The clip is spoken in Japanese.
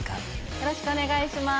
よろしくお願いします